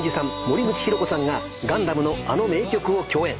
森口博子さんが『ガンダム』のあの名曲を共演。